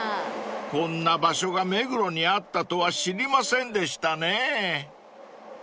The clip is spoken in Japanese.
［こんな場所が目黒にあったとは知りませんでしたね］